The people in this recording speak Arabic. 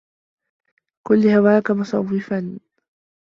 كُنْ لِهَوَاك مُسَوِّفًا